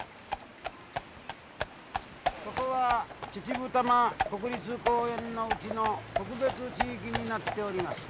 ここは秩父多摩国立公園のうちの特別地域になっております。